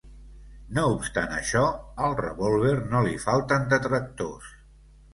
No obstant això, al revòlver no li falten detractors.